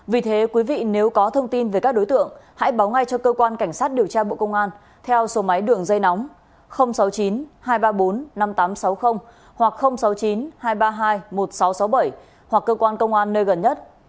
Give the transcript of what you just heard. vì thế quý vị nếu có thông tin về các đối tượng hãy báo ngay cho cơ quan cảnh sát điều tra bộ công an theo số máy đường dây nóng sáu mươi chín hai trăm ba mươi bốn năm nghìn tám trăm sáu mươi hoặc sáu mươi chín hai trăm ba mươi hai một nghìn sáu trăm sáu mươi bảy hoặc cơ quan công an nơi gần nhất